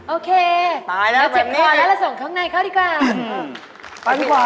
โอเคเราเจ็บความแล้วส่งข้างในเข้าดีกว่า